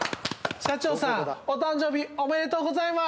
社長さん、お誕生日おめでとうございます。